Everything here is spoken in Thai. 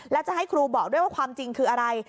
แล้วจะให้ครูบอกด้วยว่าความจริงคืออะไร